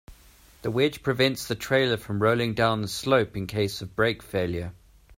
This wedge prevents the trailer from rolling down the slope in case of brake failure.